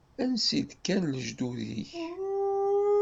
Ansi d-kkan lejdud-ik?